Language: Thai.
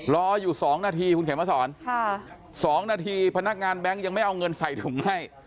รออยู่๒นาทีคุณเขียนมาสอน๒นาทีพนักงานแบงค์ยังไม่เอาเงินใส่ถุงให้